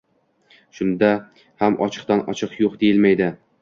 Shunda ham ochiqdan ochiq yo’q deyilmaydi.